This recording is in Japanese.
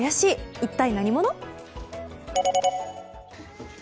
一体何者？